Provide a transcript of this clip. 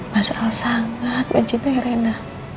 mas al sangat mencintai reina